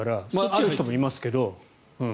ある人もいますけど。